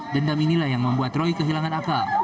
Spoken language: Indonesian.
dendam inilah yang membuat roy kehilangan akal